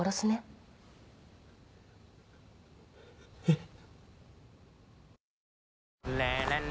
えっ？